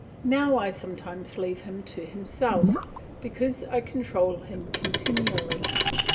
Now I sometimes leave him to himself because I control him continually.